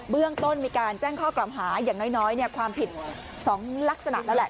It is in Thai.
เรื่องต้นมีการแจ้งข้อกล่าวหาอย่างน้อยความผิด๒ลักษณะแล้วแหละ